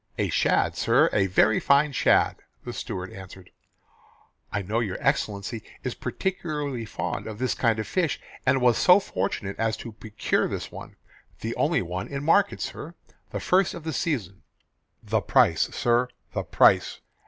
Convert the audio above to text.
"A shad, sir, a very fine shad," the steward answered. "I know your excellency is particularly fond of this kind of fish, and was so fortunate as to procure this one the only one in market, sir, the first of the season." "The price, sir, the price?"